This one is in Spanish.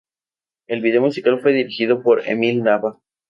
El video musical fue dirigido por Emil Nava.